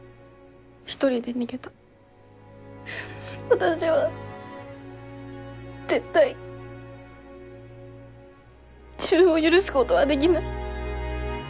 私は絶対自分を許すごどはできない。